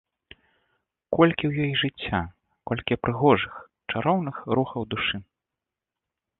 Колькі ў ёй жыцця, колькі прыгожых, чароўных рухаў душы!